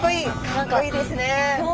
かっこいいですね。